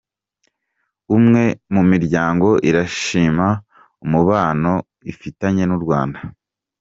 Umwe mumiryango irashima umubano ifitanye n’u Rwanda